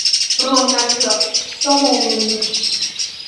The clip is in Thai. รวมกันเกือบชั่วโมงนึง